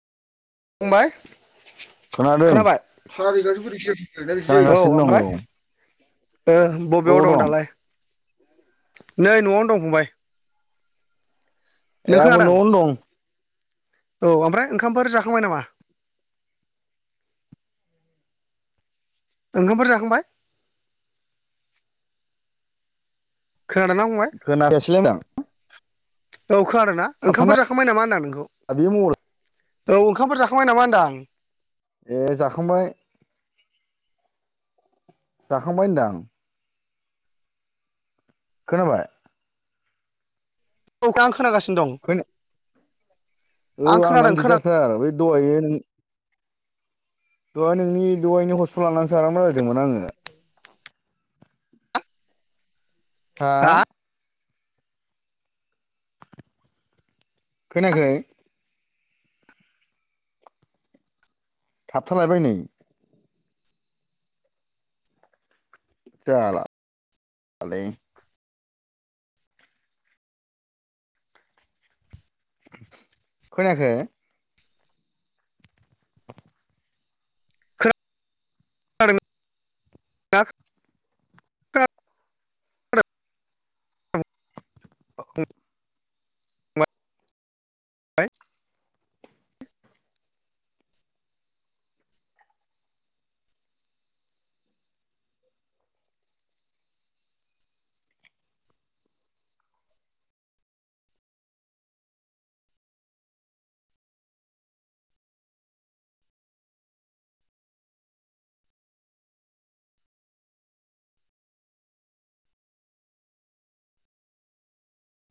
बुंंबाय खोनादों खोनाबाय औ खोनागासिनो दं ओमफ्राय औ बबेयाव दं दालाय नै न'आवनो दं फंबाय नों ए आंबो खोनादों न'आवनो दं औ ओमफ्राय ओंखामफोरोर जाखांबाय नामा ओंखामफोर जाखांबाय खोनादोंना फंबाय खोनासै [unintelligible] औ खानादोंना ओंखामफोर जाखांबाय नामा होनदां नोंखौ बे मबाइला औ ओंखामफोर जाखांबाय नामा होनदांं ए जाखांबाय जाखांबाय होनदां खोनाबाय औ खां आं खोनागासिनो दं खोना औ आं खोनादों आंनानो खोना दिगदारथार बे दहायो दहाय नोंनि दहायनि हस्पिाल लानानै सो आराम रायलायदोंमोन आङो हा खोनायाखै थाबथालायबाय नै जालालै खोनायाखै [unintelligible] [unintelligible] फंबाय?